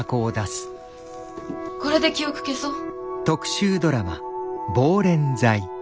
これで記憶消そう。